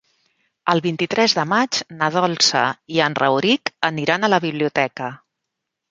El vint-i-tres de maig na Dolça i en Rauric aniran a la biblioteca.